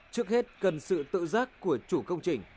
trước hết cần sự tự giác của chủ công trình